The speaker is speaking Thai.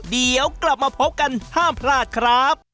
เดี๋ยวกลับมาพบกันห้ามพลาดครับ